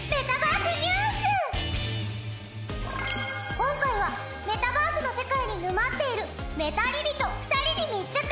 今回はメタバースの世界に沼っているメタり人２人に密着！